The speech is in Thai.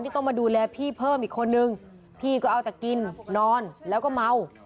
ต้องมาดูแลพี่เพิ่มอีกคนนึงพี่ก็เอาแต่กินนอนแล้วก็เมา